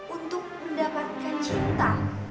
untuk mendapatkan cinta